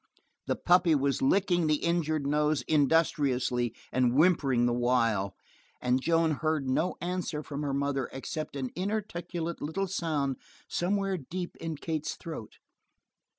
The puppy was licking the injured nose industriously and whimpering the while. And Joan heard no answer from her mother except an inarticulate little sound somewhere deep in Kate's throat.